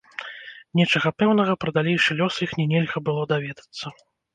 Нечага пэўнага пра далейшы лёс іхні нельга было даведацца.